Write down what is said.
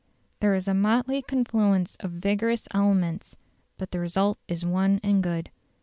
There is a motley confluence of vigorous elements, but the result is one and good.